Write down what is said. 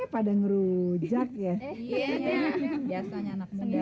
pada ngerujak ya